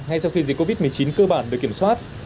ngay sau khi dịch covid một mươi chín cơ bản được kiểm soát